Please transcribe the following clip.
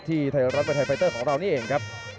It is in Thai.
ไทยรัฐมวยไทยไฟเตอร์ของเรานี่เองครับ